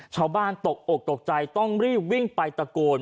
ชาวบ้านตกอกตกใจต้องรีบวิ่งไปตะโกน